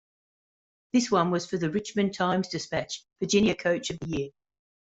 This one was for the "Richmond Times-Dispatch" Virginia Coach of the Year.